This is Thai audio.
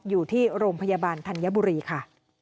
อยู่ที่โรงพยาบาลธัญบุรีค่ะ